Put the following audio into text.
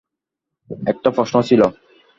একটা প্রশ্ন ছিল।